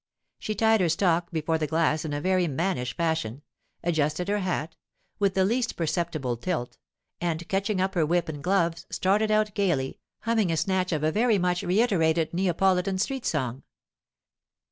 She tied her stock before the glass in a very mannish fashion, adjusted her hat—with the least perceptible tilt—and catching up her whip and gloves, started out gaily, humming a snatch of a very much reiterated Neapolitan street song.